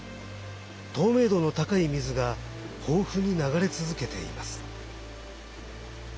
透明度の高い水が豊富に流れ続けています。